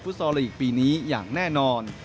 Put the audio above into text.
ในฟุตซอลอีกปีนี้อย่างแน่นอน